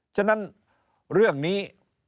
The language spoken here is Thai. ฉะนั้นเรื่องนี้